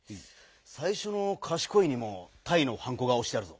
さいしょの「かしこい」にもタイのはんこがおしてあるぞ。